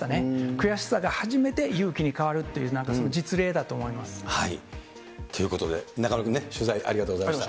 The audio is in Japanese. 悔しさが初めて勇気に変わるといということで中丸君、取材ありがとうございました。